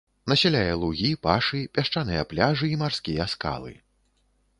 Насяляе лугі, пашы, пясчаныя пляжы і марскія скалы.